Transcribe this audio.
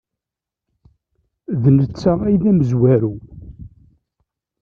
D netta ay d amezwaru.